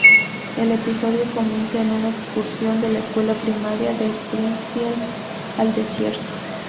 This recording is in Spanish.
El episodio comienza con una excursión de la Escuela Primaria de Springfield al desierto.